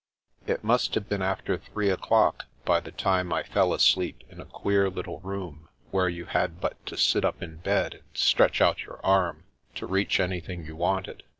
It must have been after three o'clock by the time I fell asleep in a queer little room where you had but to sit up in bed and stretch out your arm to reach anything you wanted.